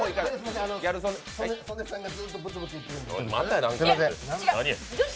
曽根さんがずっとブツブツ言ってるんです。